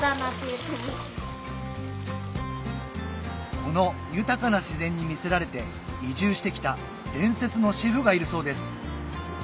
この豊かな自然に魅せられて移住して来た伝説のシェフがいるそうです